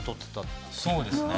そうですね。